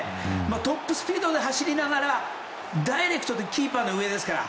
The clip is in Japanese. トップスピードで走りながらダイレクトでキーパーの上ですから。